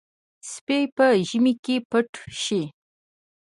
سپي په ژمي کې پټ شي.